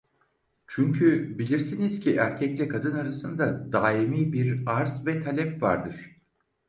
Çünkü bilirsiniz ki erkekle kadın arasında daimi bir arz ve talep vardır: